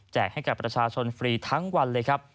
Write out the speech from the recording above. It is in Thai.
ให้กับประชาชนฟรีทั้งวันเลยครับ